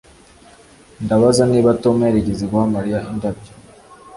Ndabaza niba Tom yarigeze guha Mariya indabyo